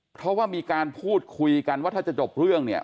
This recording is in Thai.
เพราะว่ามีการพูดคุยกันว่าถ้าจะจบเรื่องเนี่ย